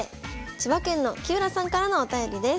千葉県の喜浦さんからのお便りです。